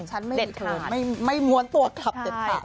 ฉันไม่ม้วนตัวครับเด็ดขาด